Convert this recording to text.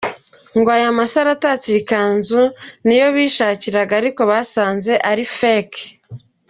Aya masaro atatse iyi kanzu ngo niyo bishakiraga ariko basanze ari Fake.